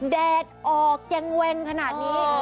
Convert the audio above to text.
แดดออกยังเวงขนาดนี้